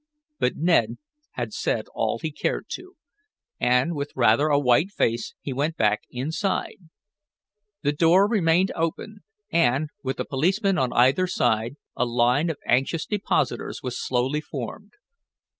But Ned had said all he cared to, and, with rather a white face, he went back inside. The one door remained open and, with a policeman on either side, a line of anxious depositors was slowly formed.